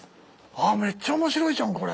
あっめっちゃ面白いじゃんこれ。